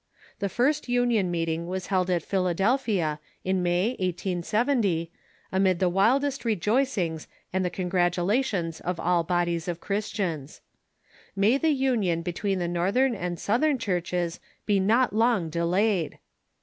The first union meeting was held in Philadelphia, in May, 1870, amid the wild est rejoicings and the congratulations of all bodies of Christians. May the union between the Northern and Southern churches be not long delayed